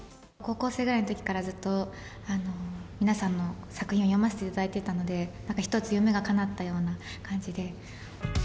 高校生ぐらいのときから、ずっと皆さんの作品を読ませていただいてたので、なんか一つ夢がかなったような感じで。